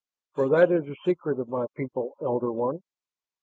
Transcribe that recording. For that is the secret of my people, Elder One.